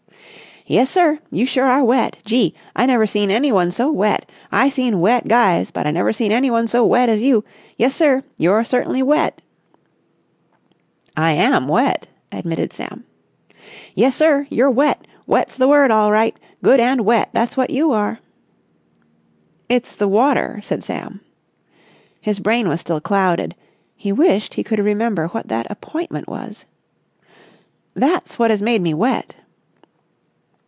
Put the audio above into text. "Yes, sir! You sure are wet! Gee! I never seen anyone so wet! I seen wet guys but I never seen anyone so wet as you. Yessir, you're certainly wet!" "I am wet," admitted Sam. "Yessir, you're wet! Wet's the word all right. Good and wet, that's what you are!" "It's the water," said Sam. His brain was still clouded; he wished he could remember what that appointment was. "That's what has made me wet."